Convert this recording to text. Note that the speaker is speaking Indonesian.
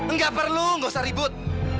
nggak perlu nggak usah ribut